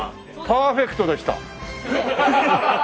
パーフェクトでした。